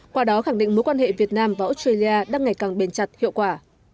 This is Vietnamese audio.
qua đó khẳng định mối quan hệ việt nam và australia đang ngày càng bền chặt hiệu quả